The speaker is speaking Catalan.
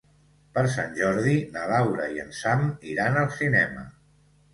Per Sant Jordi na Laura i en Sam iran al cinema.